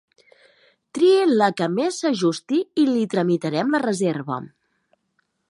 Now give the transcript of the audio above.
Trii la que més s'ajusti i li tramitarem la reserva.